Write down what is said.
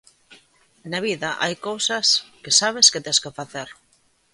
Na vida hai cousas que sabes que tes que facer.